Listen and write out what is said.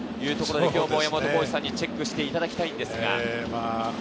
山本浩二さんにチェックしていただきたいのですが。